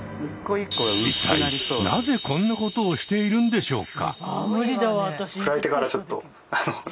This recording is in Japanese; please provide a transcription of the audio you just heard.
一体なぜこんなことをしているんでしょうか？